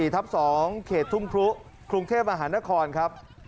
๗๔ทั้ง๒เขตทุ่มปลูถูกเทพอาหารนครครับ